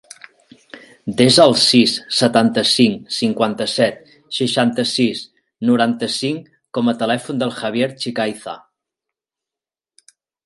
Desa el sis, setanta-cinc, cinquanta-set, seixanta-sis, noranta-cinc com a telèfon del Javier Chicaiza.